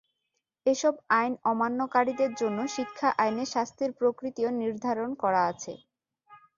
এসব আইন অমান্যকারীদের জন্য শিক্ষা আইনে শাস্তির প্রকৃতিও নির্ধারণ করা আছে।